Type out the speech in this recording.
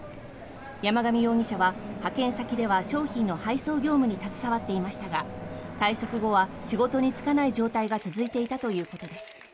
山上容疑者は派遣先では商品の配送業務に携わっていましたが退職後は仕事に就かない状態が続いていたということです。